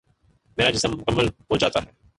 میرا جسم مکمل ہو جاتا ہے ۔